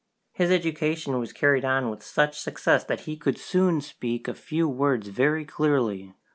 His education was carried on with such success that he could soon speak a few words very clearly.